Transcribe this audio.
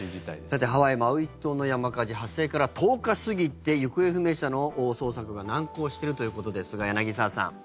さてハワイ・マウイ島の山火事発生から１０日過ぎて行方不明者の捜索が難航しているということですが柳澤さん